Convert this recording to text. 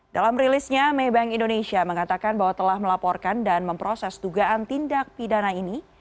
dalam rilisnya maybank indonesia mengatakan bahwa telah melaporkan dan memproses dugaan tindak pidana ini